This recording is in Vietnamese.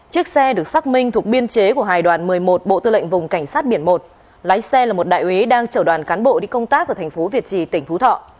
chiếc xe được xác minh thuộc biên chế của hải đoàn một mươi một bộ tư lệnh vùng cảnh sát biển một lái xe là một đại úy đang chở đoàn cán bộ đi công tác ở thành phố việt trì tỉnh phú thọ